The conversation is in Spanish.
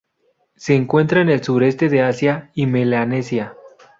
Se encuentra en el sureste de Asia y Melanesia.